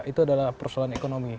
itu adalah persoalan ekonomi